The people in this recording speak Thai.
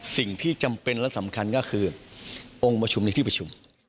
สิ่งที่จำเป็นและสำคัญก็คือองค์ประชุมในที่ประชุม